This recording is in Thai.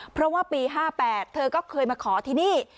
เพราะว่าปี๕๘เธอก็เคยมาขอที่นี่